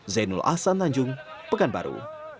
zainul ahsan tanjung pekanbaru